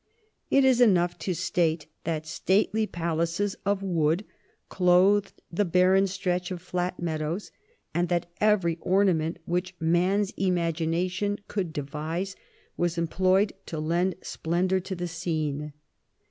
It is enough to say that stately palaces of wood clothed the barren stretch of flat meadows, and that every ornament which man's imagination could devise was employed to lend splendour to the scene.